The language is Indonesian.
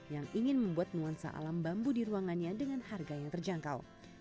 yang ingin membuat nuansa alam bambu di ruangannya dengan harga yang terjangkau